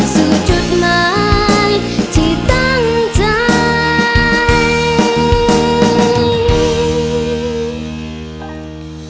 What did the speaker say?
สู่จุดหมายที่ตั้งใจ